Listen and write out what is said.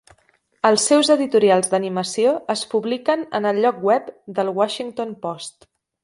Els seus editorials d'animació es publiquen en el lloc web del "Washington Post".